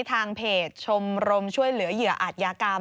ทางเพจชมรมช่วยเหลือเหยื่ออาจยากรรม